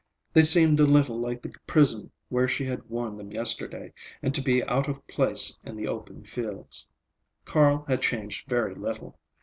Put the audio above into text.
They seemed a little like the prison where she had worn them yesterday, and to be out of place in the open fields. Carl had changed very little.